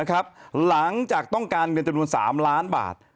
หลังจากต้องการเงินจำนวน๓ล้านบาท